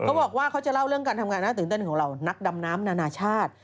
เขาบอกว่าเขาจะเล่าเรื่องการทำงานน่าตื่นเต้นของเรานักดำน้ำนานาชาติ